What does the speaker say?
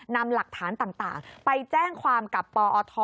นำหลักฐานต่างไปแจ้งความกับปอท